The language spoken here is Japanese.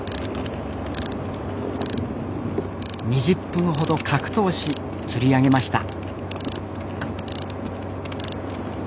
２０分ほど格闘し釣り上げました。